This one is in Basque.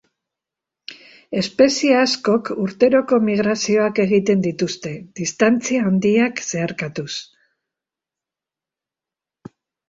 Espezie askok urteroko migrazioak egiten dituzte, distantzia handiak zeharkatuz.